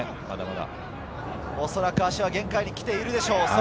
おそらく足は限界に来ているでしょう。